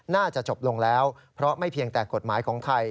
น่าจะจบลงแล้วเพราะไม่เพียงแต่กฎหมายของไทย